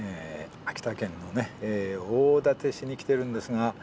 秋田県の大館市に来てるんですが。